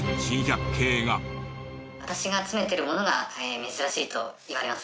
私が集めてるものが珍しいと言われます。